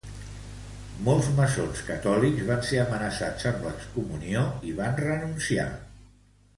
Molts maçons catòlics van ser amenaçats amb l'excomunió i van renunciar.